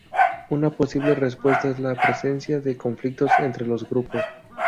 Una posible respuesta es la presencia de conflictos entre los grupos.